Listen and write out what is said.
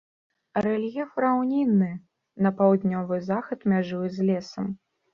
Рэльеф раўнінны, на паўднёвы захад мяжуе з лесам.